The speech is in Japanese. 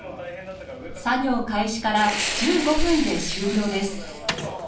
作業開始から１５分で終了です。